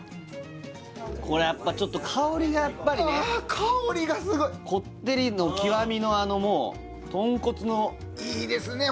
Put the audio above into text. これやっぱちょっと香りがやっぱりねああ香りがすごい！のもうとんこつのいいですね